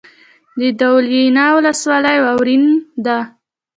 د دولینه ولسوالۍ واورین ده